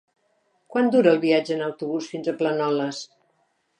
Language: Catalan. Quant dura el viatge en autobús fins a Planoles?